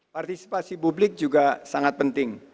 partisipasi publik juga sangat penting